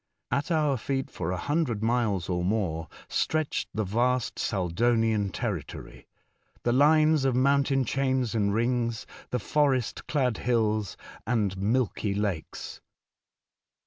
At our feet for a hundred miles or more stretched the vast Saldonian territory, the lines of mountain chains and rings, and forest clad hills, and milky lakes.